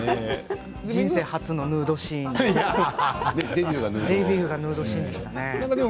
人生初のヌードシーンなのでデビューがヌードシーンですね。